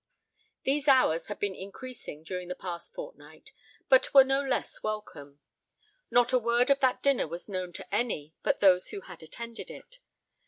These hours had been increasing during the past fortnight but were no less welcome. Not a word of that dinner was known to any but those who had attended it.